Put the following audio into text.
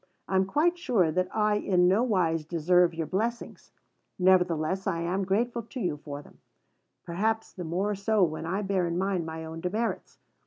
I am quite sure that I in no wise deserve your blessings; nevertheless I am grateful to you for them, perhaps the more so when I bear in mind my own demerits.